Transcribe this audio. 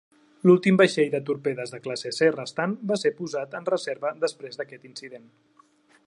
L'últim vaixell de torpedes de classe "C" restant va ser posat en reserva després d'aquest incident.